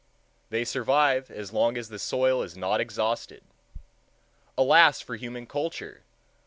They survive as long as the soil is not exhausted. Alas for human culture!